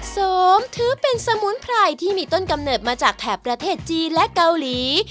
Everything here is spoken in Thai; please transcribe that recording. สมถือเป็นสมุนไพรที่มีต้นกำเนิดมาจากแถบประเทศจีนและเกาหลี